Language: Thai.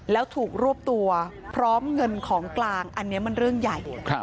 แล้วถูกรวบตัวพร้อมเงินของกลางอันนี้มันเรื่องใหญ่